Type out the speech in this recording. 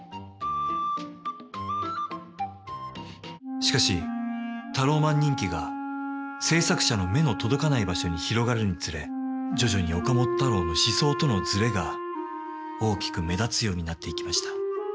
しかしタローマン人気が制作者の目の届かない場所に広がるにつれ徐々に岡本太郎の思想とのズレが大きく目立つようになっていきました。